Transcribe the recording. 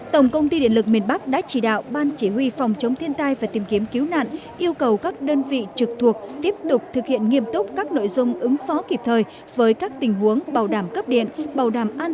tổng công ty điện lực miền bắc đã chỉ đạo ban chỉ huy phòng chống thiên tai và tìm kiếm cứu nạn yêu cầu các đơn vị trực thuộc tiếp tục thực hiện nghiêm túc các nội dung ứng phó kịp thời với các tình huống bảo đảm cấp điện bảo đảm an toàn tuyệt đối cho lực lượng lao động tài sản lưới điện